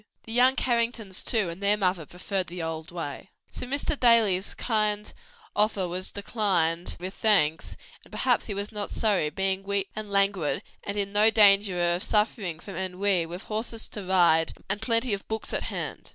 The young Carringtons too, and their mother preferred the old way. So Mr. Daly's kind offer was declined with thanks: and perhaps he was not sorry; being weak and languid and in no danger of suffering from ennui with horses to ride and plenty of books at hand.